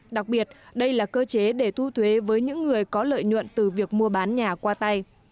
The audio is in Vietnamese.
đặc biệt đây là cơ chế để thu thuế với những người có lợi nhuận từ việc mua bán nhà qua tay